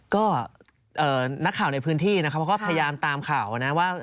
ก็นักข่าวในพื้นที่นะครับเขาก็พยายามตามข่าวนะว่า